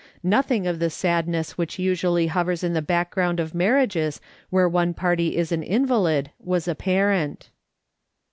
Nothing of the sadness which usually hovers in the background of marriages where one party is an invalid was apparent.